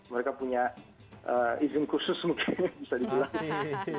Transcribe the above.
mereka punya izin khusus mungkin bisa dibilang